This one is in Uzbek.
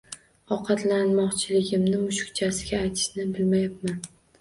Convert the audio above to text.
Ovqatlanmoqchiligimni mushukchasiga aytishni bilmayapman